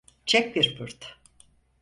Çek bir fırt.